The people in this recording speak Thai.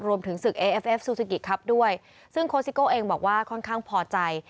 รวมถึงศึกเอเอฟเอฟซูซูกิครับด้วยซึ่งโคสิโก้เองบอกว่าค่อนข้างพอใจ